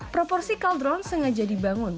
proporsi kaldron sengaja dibangun